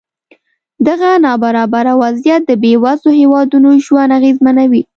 دغه نابرابره وضعیت د بېوزلو هېوادونو ژوند اغېزمنوي.